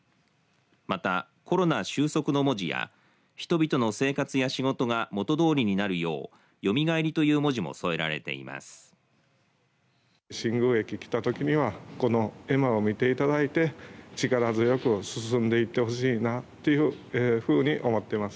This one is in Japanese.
また、コロナ終息の文字や人々の生活や仕事が元通りになるよう蘇という文字も添えられています。